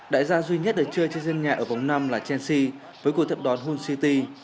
đại gia duy nhất để chơi trên dân nhà ở vòng năm là chelsea với cuộc thập đoán hull city